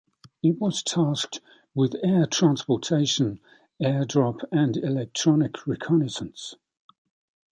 It was tasked with air transportation, airdrop and electronic reconnaissance.